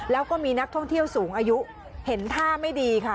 แล้วก็มีนักท่องเที่ยวสูงอายุเห็นท่าไม่ดีค่ะ